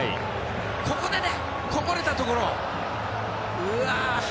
ここで、こぼれたところを。